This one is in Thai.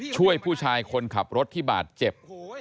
ช่วยผู้ชายคนขับรถที่บาดเจ็บ